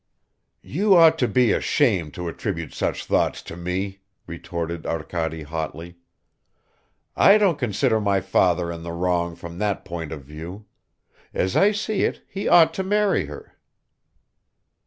"You ought to be ashamed to attribute such thoughts to me!" retorted Arkady hotly. "I don't consider my father in the wrong from that point of view; as I see it, he ought to marry her."